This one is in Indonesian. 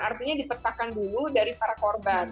artinya dipetakan dulu dari para korban